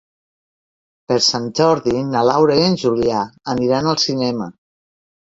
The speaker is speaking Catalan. Per Sant Jordi na Laura i en Julià aniran al cinema.